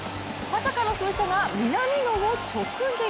まさかの噴射が南野を直撃。